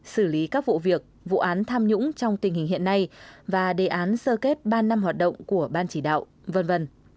xử lý các vụ việc vụ án tham nhũng trong tình hình hiện nay và đề án sơ kết ba năm hoạt động của ban chỉ đạo v v